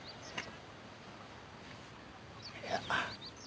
いや。